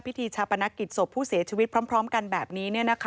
พิธีชาปนกิจศพผู้เสียชีวิตพร้อมกันแบบนี้